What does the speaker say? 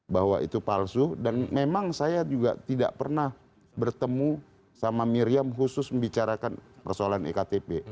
bahwa itu palsu dan memang saya juga tidak pernah bertemu sama miriam khusus membicarakan persoalan ektp